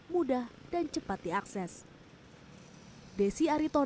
mudah dan cepat diakses